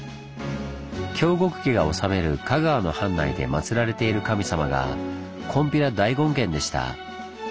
京極家が治める香川の藩内で祭られている神様が金毘羅大権現でした。